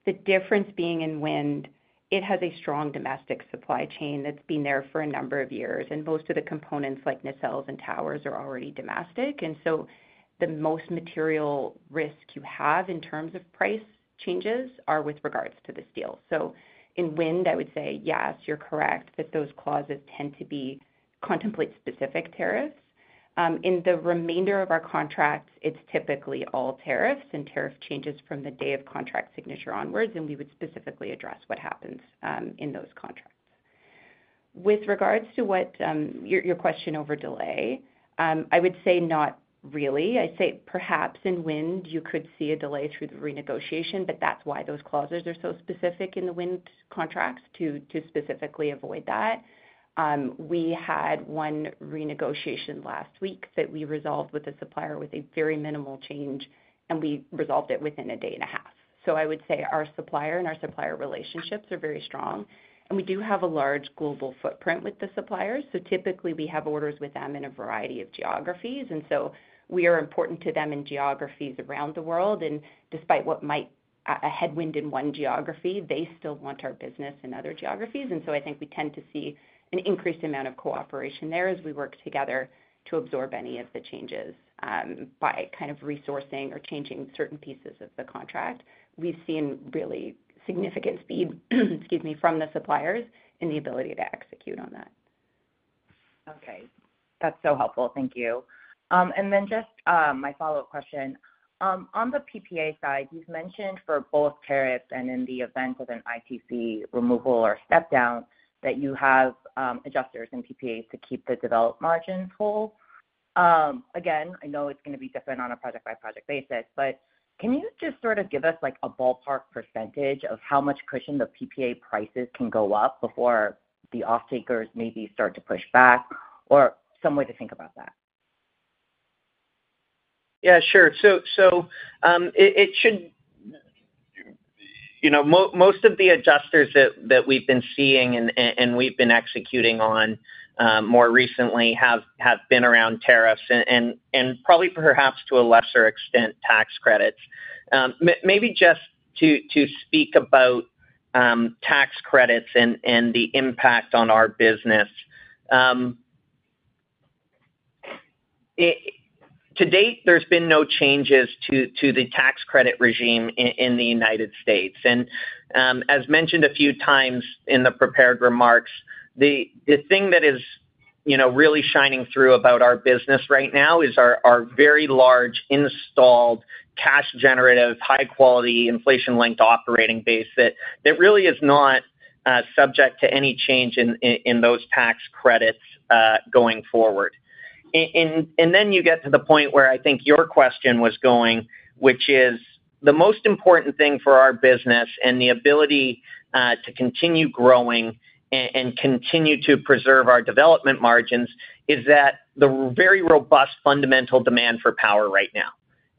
The difference being in wind, it has a strong domestic supply chain that's been there for a number of years. Most of the components like nacelles and towers are already domestic. The most material risk you have in terms of price changes are with regards to the steel. In wind, I would say, yes, you're correct that those clauses tend to contemplate specific tariffs. In the remainder of our contracts, it's typically all tariffs and tariff changes from the day of contract signature onwards. We would specifically address what happens in those contracts. With regards to your question over delay, I would say not really. I say perhaps in wind, you could see a delay through the renegotiation, but that is why those clauses are so specific in the wind contracts to specifically avoid that. We had one renegotiation last week that we resolved with a supplier with a very minimal change, and we resolved it within a day and a half. I would say our supplier and our supplier relationships are very strong. We do have a large global footprint with the suppliers. Typically, we have orders with them in a variety of geographies. We are important to them in geographies around the world. Despite what might be a headwind in one geography, they still want our business in other geographies. I think we tend to see an increased amount of cooperation there as we work together to absorb any of the changes by kind of resourcing or changing certain pieces of the contract. We've seen really significant speed, excuse me, from the suppliers in the ability to execute on that. Okay. That's so helpful. Thank you. Just my follow-up question. On the PPA side, you've mentioned for both tariffs and in the event of an ITC removal or step-down that you have adjusters in PPAs to keep the developed margins whole. Again, I know it's going to be different on a project-by-project basis, but can you just sort of give us a ballpark percentage of how much cushion the PPA prices can go up before the offtakers maybe start to push back or some way to think about that? Yeah, sure. Most of the adjusters that we've been seeing and we've been executing on more recently have been around tariffs and probably perhaps to a lesser extent tax credits. Maybe just to speak about tax credits and the impact on our business. To date, there's been no changes to the tax credit regime in the United States. As mentioned a few times in the prepared remarks, the thing that is really shining through about our business right now is our very large installed cash-generative, high-quality inflation-linked operating base that really is not subject to any change in those tax credits going forward. You get to the point where I think your question was going, which is the most important thing for our business and the ability to continue growing and continue to preserve our development margins is that the very robust fundamental demand for power right now.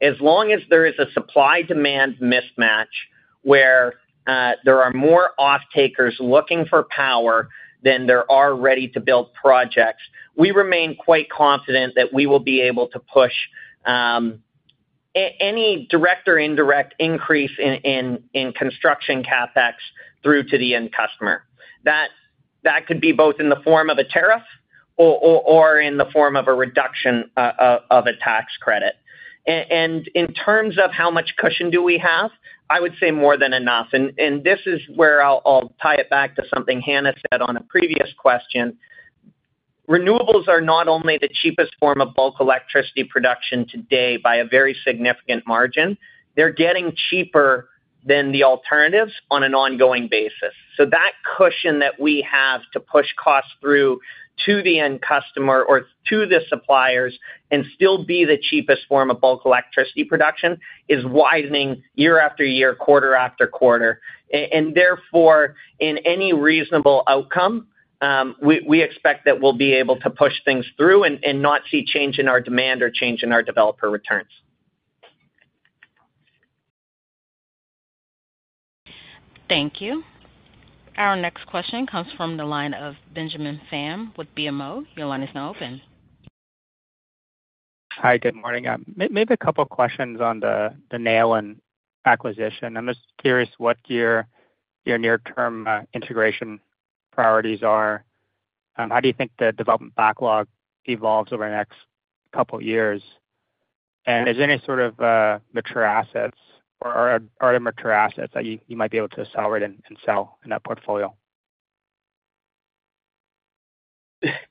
As long as there is a supply-demand mismatch where there are more offtakers looking for power than there are ready-to-build projects, we remain quite confident that we will be able to push any direct or indirect increase in construction CapEx through to the end customer. That could be both in the form of a tariff or in the form of a reduction of a tax credit. In terms of how much cushion do we have, I would say more than enough. This is where I'll tie it back to something Hannah said on a previous question. Renewables are not only the cheapest form of bulk electricity production today by a very significant margin. They are getting cheaper than the alternatives on an ongoing basis. That cushion that we have to push costs through to the end customer or to the suppliers and still be the cheapest form of bulk electricity production is widening year after year, quarter after quarter. Therefore, in any reasonable outcome, we expect that we will be able to push things through and not see change in our demand or change in our developer returns. Thank you. Our next question comes from the line of Benjamin Pham with BMO. Your line is now open. Hi, good morning. Maybe a couple of questions on the Neoen acquisition. I'm just curious what your near-term integration priorities are. How do you think the development backlog evolves over the next couple of years? Is there any sort of mature assets or other mature assets that you might be able to accelerate and sell in that portfolio?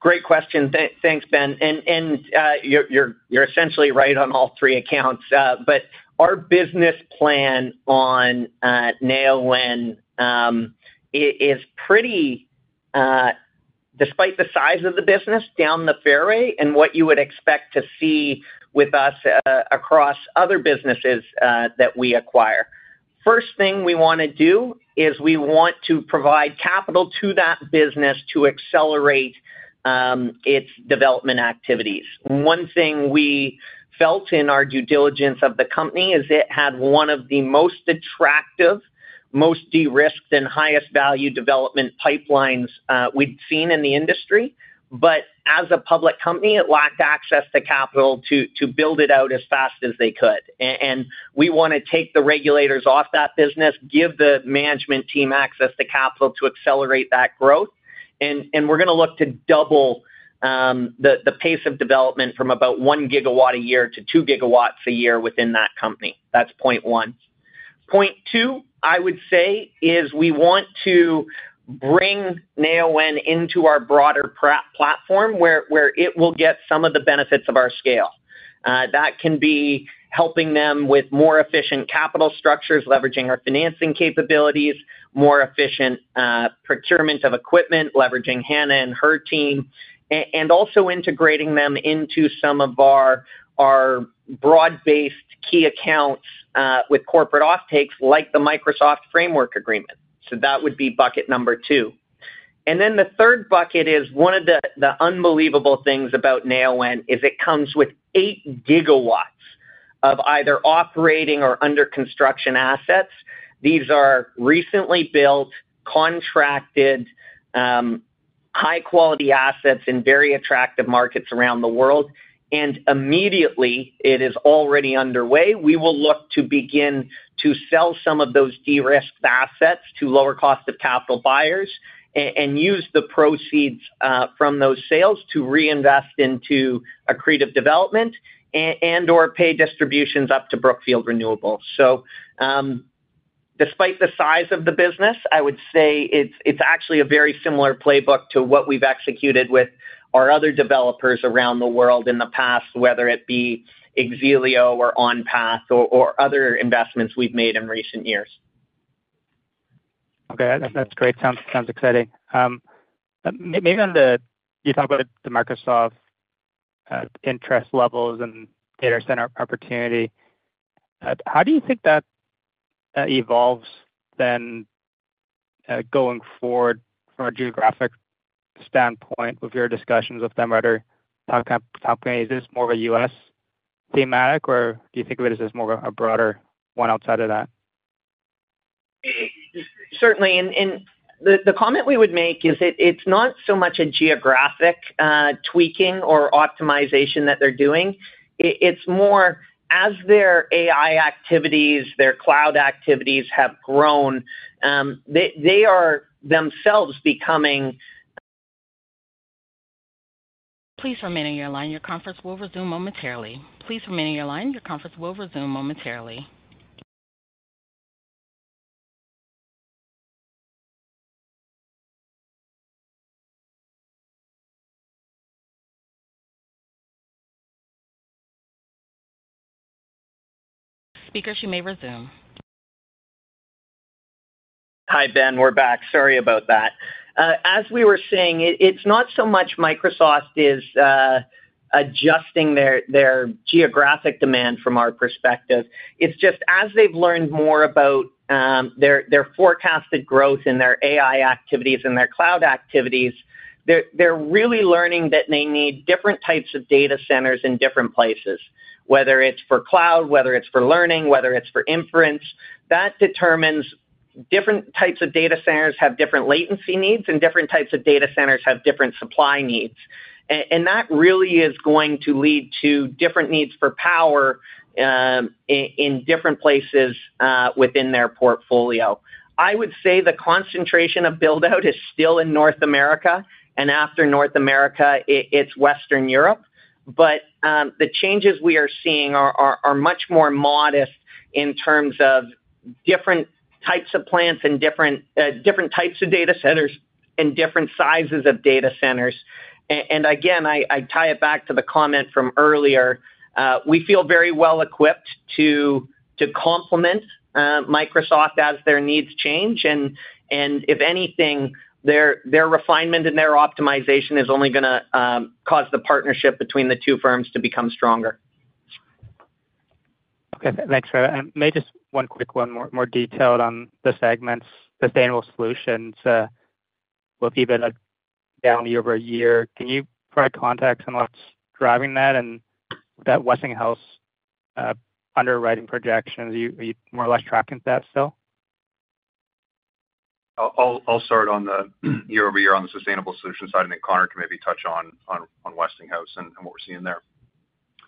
Great question. Thanks, Ben. You're essentially right on all three accounts. Our business plan on Neoen and wind is pretty, despite the size of the business, down the fairway and what you would expect to see with us across other businesses that we acquire. The first thing we want to do is we want to provide capital to that business to accelerate its development activities. One thing we felt in our due diligence of the company is it had one of the most attractive, most de-risked, and highest value development pipelines we'd seen in the industry. As a public company, it lacked access to capital to build it out as fast as they could. We want to take the regulators off that business, give the management team access to capital to accelerate that growth. We're going to look to double the pace of development from about 1 GW a year to 2 GW a year within that company. That's point one. Point two, I would say, is we want to bring Neoen and wind into our broader platform where it will get some of the benefits of our scale. That can be helping them with more efficient capital structures, leveraging our financing capabilities, more efficient procurement of equipment, leveraging Hannah and her team, and also integrating them into some of our broad-based key accounts with corporate offtakes like the Microsoft Framework Agreement. That would be bucket number two. The third bucket is one of the unbelievable things about Neoen and wind is it comes with 8 GW of either operating or under construction assets. These are recently built, contracted, high-quality assets in very attractive markets around the world. It is already underway. We will look to begin to sell some of those de-risked assets to lower-cost-of-capital buyers and use the proceeds from those sales to reinvest into accretive development and/or pay distributions up to Brookfield Renewable. Despite the size of the business, I would say it is actually a very similar playbook to what we have executed with our other developers around the world in the past, whether it be X-Elio or OnPath or other investments we have made in recent years. Okay. That's great. Sounds exciting. Maybe on the you talk about the Microsoft interest levels and data center opportunity. How do you think that evolves then going forward from a geographic standpoint with your discussions with them or other top companies? Is this more of a U.S. thematic, or do you think of it as more of a broader one outside of that? Certainly. The comment we would make is it's not so much a geographic tweaking or optimization that they're doing. It's more as their AI activities, their cloud activities have grown, they are themselves becoming. Please remain on your line. Your conference will resume momentarily. Please remain on your line. Your conference will resume momentarily. Speakers, you may resume. Hi, Ben. We're back. Sorry about that. As we were saying, it's not so much Microsoft is adjusting their geographic demand from our perspective. It's just as they've learned more about their forecasted growth in their AI activities and their cloud activities, they're really learning that they need different types of data centers in different places, whether it's for cloud, whether it's for learning, whether it's for inference. That determines different types of data centers have different latency needs, and different types of data centers have different supply needs. That really is going to lead to different needs for power in different places within their portfolio. I would say the concentration of buildout is still in North America. After North America, it's Western Europe. The changes we are seeing are much more modest in terms of different types of plants and different types of data centers and different sizes of data centers. Again, I tie it back to the comment from earlier. We feel very well equipped to complement Microsoft as their needs change. If anything, their refinement and their optimization is only going to cause the partnership between the two firms to become stronger. Okay. Thanks. Maybe just one quick one, more detailed on the segments, sustainable solutions. We'll keep it down the over a year. Can you provide context on what's driving that and that Westinghouse underwriting projections? Are you more or less tracking that still? I'll start on the year-over-year on the sustainable solution side, and then Connor can maybe touch on Westinghouse and what we're seeing there.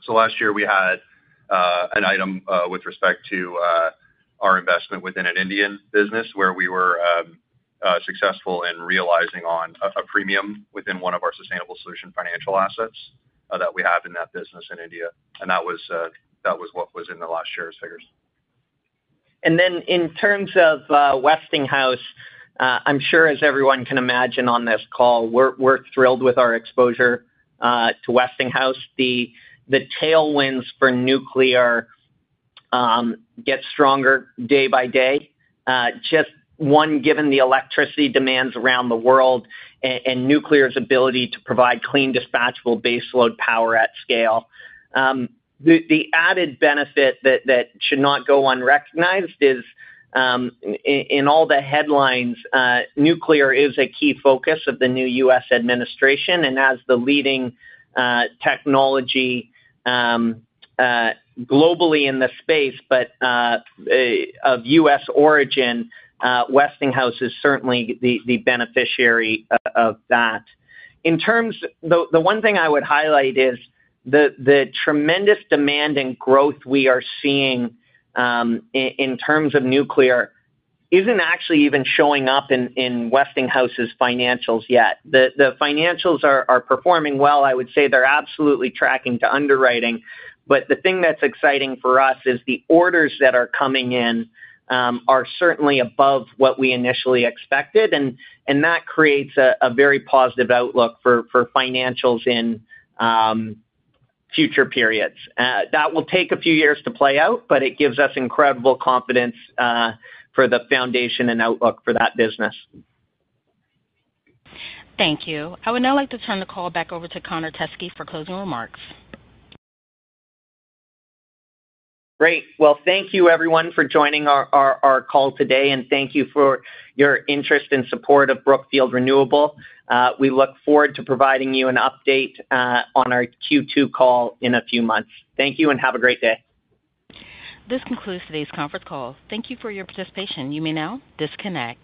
Last year, we had an item with respect to our investment within an Indian business where we were successful in realizing on a premium within one of our sustainable solution financial assets that we have in that business in India. That was what was in the last year's figures. In terms of Westinghouse, I'm sure as everyone can imagine on this call, we're thrilled with our exposure to Westinghouse. The tailwinds for nuclear get stronger day by day. Just one, given the electricity demands around the world and nuclear's ability to provide clean dispatchable baseload power at scale. The added benefit that should not go unrecognized is in all the headlines, nuclear is a key focus of the new U.S. administration. As the leading technology globally in the space, but of U.S. origin, Westinghouse is certainly the beneficiary of that. The one thing I would highlight is the tremendous demand and growth we are seeing in terms of nuclear isn't actually even showing up in Westinghouse's financials yet. The financials are performing well. I would say they're absolutely tracking to underwriting. The thing that's exciting for us is the orders that are coming in are certainly above what we initially expected. That creates a very positive outlook for financials in future periods. That will take a few years to play out, but it gives us incredible confidence for the foundation and outlook for that business. Thank you. I would now like to turn the call back over to Connor Teskey for closing remarks. Great. Thank you, everyone, for joining our call today. Thank you for your interest and support of Brookfield Renewable. We look forward to providing you an update on our Q2 call in a few months. Thank you and have a great day. This concludes today's conference call. Thank you for your participation. You may now disconnect.